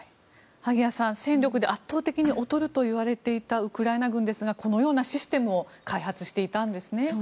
萩谷さん、戦力で圧倒的に劣るといわれていたウクライナ軍ですがこのようなシステムを開発していたんですね。